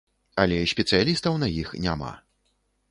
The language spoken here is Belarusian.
Але спецыялістаў на іх няма.